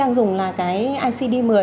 đang dùng là cái icd một mươi